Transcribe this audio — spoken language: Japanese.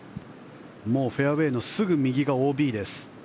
フェアウェーのすぐ右がＯＢです。